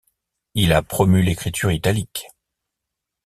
Il a promu l’écriture italique.